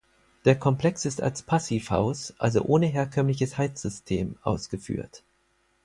Der Komplex ist als Passivhaus, also ohne herkömmliches Heizsystem, ausgeführt.